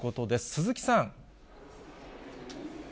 鈴木さん。